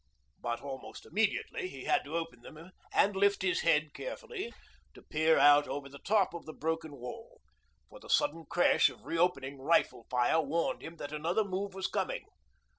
But, almost immediately, he had to open them and lift his head carefully, to peer out over the top of the broken wall; for the sudden crash of reopening rifle fire warned him that another move was coming.